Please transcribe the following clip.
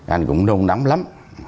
anh cũng nôn nắm lắm